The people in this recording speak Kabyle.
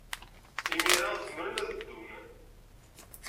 Imir-a, zemren ad ddun.